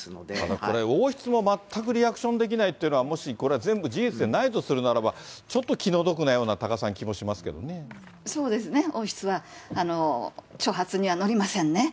これ王室も全くリアクションできないっていうのは、もしこれ、全部事実でないとするならば、ちょっと気の毒のような、多賀さん、そうですね、王室は挑発には乗りませんね。